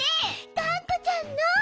がんこちゃんの。